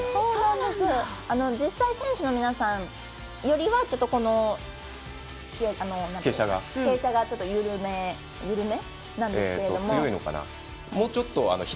実際の選手の皆さんよりは傾斜がちょっと緩めなんですけども。